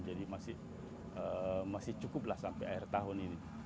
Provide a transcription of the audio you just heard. jadi masih cukuplah sampai akhir tahun ini